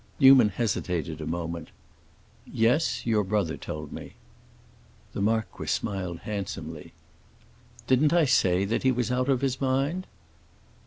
Newman hesitated a moment. "Yes, your brother told me." The marquis smiled, handsomely. "Didn't I say that he was out of his mind?"